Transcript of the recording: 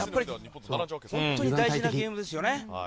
本当に大事なゲームです。